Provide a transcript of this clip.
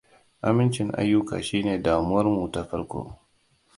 Amincin ayyuka shine damuwar mu ta farko.